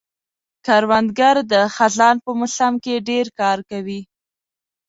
کروندګر د خزان په موسم کې ډېر کار کوي